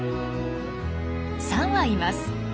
３羽います。